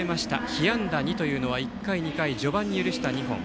被安打２というのは１回、２回の序盤に許した２本。